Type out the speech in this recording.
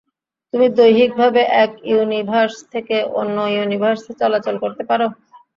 তুমি দৈহিকভাবে এক ইউনিভার্স থেকে অন্য ইউনিভার্সে চলাচল করতে পারো?